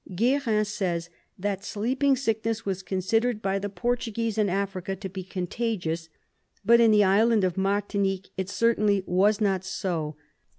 Gruerin says that sleeping sickness was considered by the Portuguese in Africa to be contagious, but in the island of Martinique it certainly was not so.